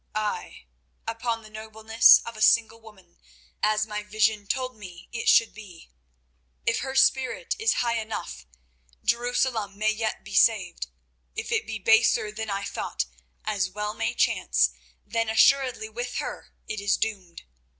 "Ay, upon the nobleness of a single woman, as my vision told me it should be. If her spirit is high enough, Jerusalem may yet be saved. If it be baser than I thought, as well may chance, then assuredly with her it is doomed.